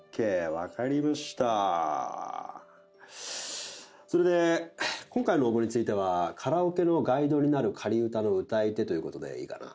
分かりましたそれで今回の応募についてはカラオケのガイドになる仮歌の歌い手ということでいいかな？